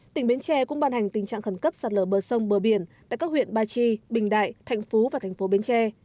tỉnh bến tre cũng ban hành tình trạng khẩn cấp sạt lở bờ sông bờ biển tại các huyện ba chi bình đại thạnh phú và thành phố bến tre